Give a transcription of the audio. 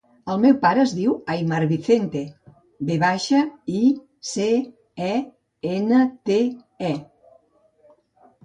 El meu pare es diu Aimar Vicente: ve baixa, i, ce, e, ena, te, e.